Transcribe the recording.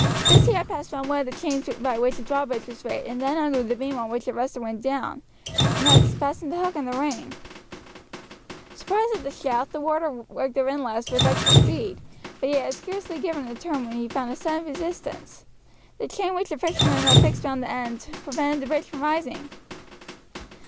This he had passed round one of the chains by which the drawbridge was raised, then under the beam on which it rested when down, and had fastened the hook in the ring. Surprised at the shout, the warder worked the windlass with extra speed, but he had scarcely given a turn when he found a sudden resistance. The chain which the fisherman had fixed round the end prevented the bridge from rising.